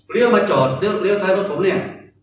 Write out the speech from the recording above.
เลี่ยวมาจอดเลี่ยวท้ายรถผมเนี่ย